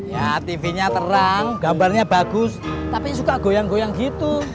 ya tv nya terang gambarnya bagus tapi suka goyang goyang gitu